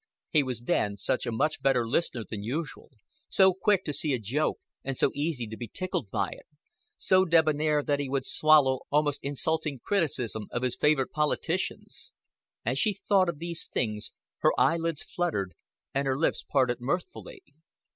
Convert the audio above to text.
He was then such a much better listener than usual, so quick to see a joke and so easy to be tickled by it, so debonair that he would swallow almost insulting criticism of his favorite politicians. As she thought of these things her eyelids fluttered and her lips parted mirthfully.